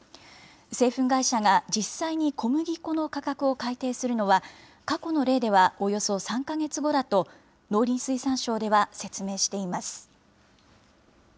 製粉会社が実際に小麦粉の価格を改定するのは、過去の例ではおよそ３か月後だと、農林水産省では説明しています。